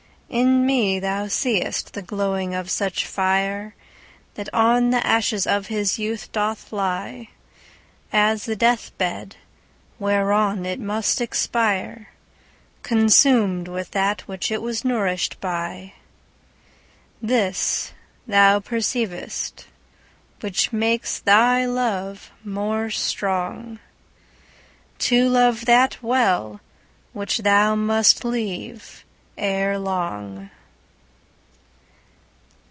In me thou see'st the glowing of such fire, That on the ashes of his youth doth lie, As the death bed, whereon it must expire, Consum'd with that which it was nourish'd by. This thou perceiv'st, which makes thy love more strong, To love that well, which thou must leave ere long.